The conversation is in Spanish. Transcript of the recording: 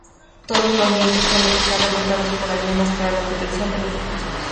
Todos los lienzos suelen estar rematados por almenas para la protección de los defensores.